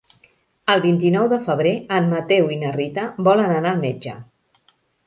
El vint-i-nou de febrer en Mateu i na Rita volen anar al metge.